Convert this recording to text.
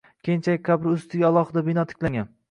Keyinchalik qabri ustiga alohida bino tiklangan